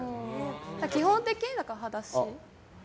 基本的に裸足。